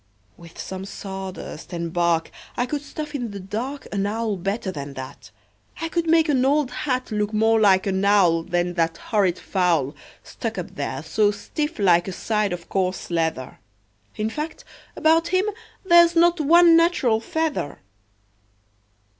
"With some sawdust and bark I could stuff in the dark An owl better than that. I could make an old hat Look more like an owl Than that horrid fowl, Stuck up there so stiff like a side of coarse leather. In fact, about him there's not one natural feather."